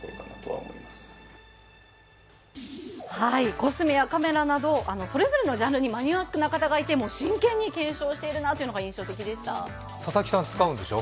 コスメやカメラなどそれぞれのジャンルにマニアックに真剣に検証しているなというのが印象的でした佐々木さん、使うんでしょ？